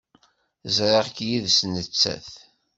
Ẓriɣ-k yid-s nettat.